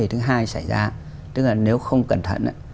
vấn đề thứ hai xảy ra tức là nếu không cẩn thận